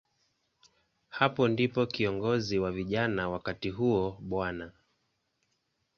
Hapo ndipo kiongozi wa vijana wakati huo, Bw.